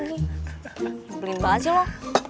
nyebelin banget sih lo